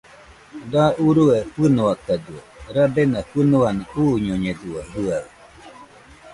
Da urue fɨnoakadɨo, rabena fɨnua uñoiakañedɨo jɨaɨ